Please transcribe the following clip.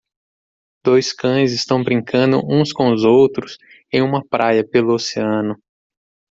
Dois cães estão brincando uns com os outros em uma praia pelo oceano.